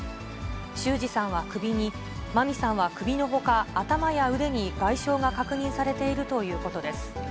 修二さんは首に、真美さんは首のほか、頭や腕に外傷が確認されているということです。